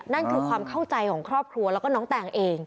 นั่นคือความเข้าใจของครอบครัวแล้วก็น้องแตงเอง